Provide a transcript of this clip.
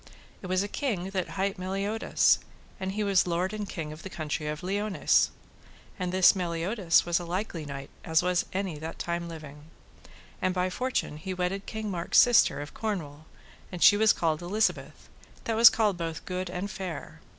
It was a king that hight Meliodas, and he was lord and king of the country of Liones, and this Meliodas was a likely knight as any was that time living. And by fortune he wedded King Mark's sister of Cornwall, and she was called Elizabeth, that was called both good and fair.